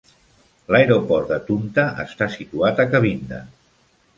L'aeroport de Tunta està situat a Kabinda.